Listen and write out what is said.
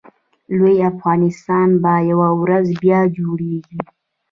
لوی افغانستان به یوه ورځ بیا جوړېږي